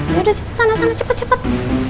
yaudah sana sana cepet cepet